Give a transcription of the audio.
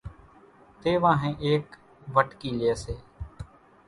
تيوانۿين ايڪ وٽڪي لئي سي